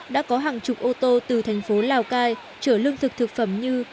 đã có hàng chục ô tô từ thành phố lào cai chở lương thực thực phẩm như